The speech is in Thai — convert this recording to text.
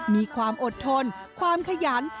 มีความอดทนความขยัน